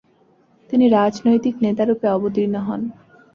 তিনি রাজনৈতিক নেতারূপে অবতীর্ণ হন।